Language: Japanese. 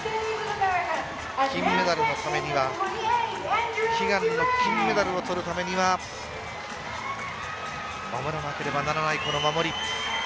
金メダルのためには悲願の金メダルを取るためには守らなければならないこの守り。